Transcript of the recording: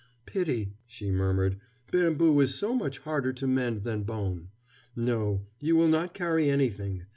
"Pity," she murmured, "bamboo is so much harder to mend than bone. No you will not carry anything.